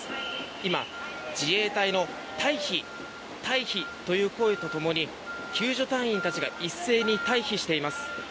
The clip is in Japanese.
今、自衛隊の退避、退避という声と共に救助隊員たちが一斉に退避しています。